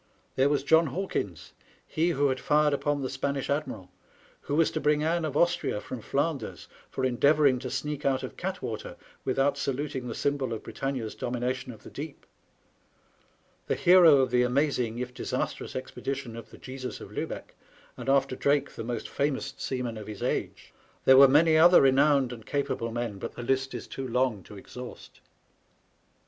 There was John Hawkins, he who had fired upon the Spanish admiral, who was to bring Ann of Austria from Flanders, for endeavouring to sneak out of Gattwater without saluting the symbol of Britannia's domination of the deep ; the hero of the amazing, if disastrous, expedition of the Jesus of Luhecky and, after Drake, the most famous seaman of his age. There were many other renowned and .capable men, but the list is too long to exhaust.